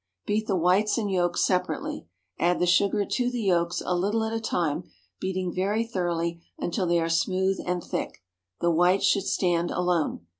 Beat the whites and yolks separately. Add the sugar to the yolks, a little at a time, beating very thoroughly, until they are smooth and thick. The whites should stand alone.